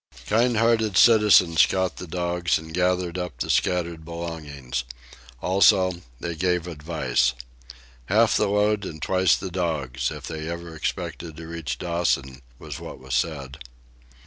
Kind hearted citizens caught the dogs and gathered up the scattered belongings. Also, they gave advice. Half the load and twice the dogs, if they ever expected to reach Dawson, was what was said.